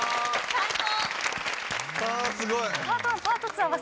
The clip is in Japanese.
最高。